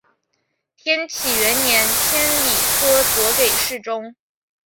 天启元年迁礼科左给事中。